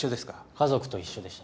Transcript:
家族と一緒でした。